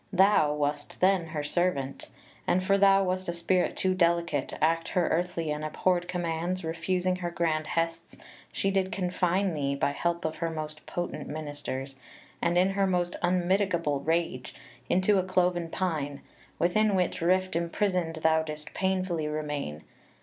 Thou .. Wast then her servant; And, for thou wast a spirit too delicate To act her earthly and abhorred commands, Refusing her grand hests, she did confine thee, By help of her most potent ministers And in her most unmitigable rage, Into a cloven pine, within which rift Imprisoned thou didst painfully remain